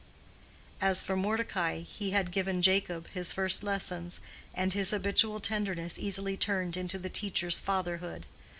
As for Mordecai, he had given Jacob his first lessons, and his habitual tenderness easily turned into the teacher's fatherhood.